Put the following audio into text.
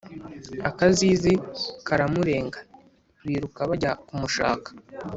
Akazizi karamurenga, biruka bajya ku mushaka,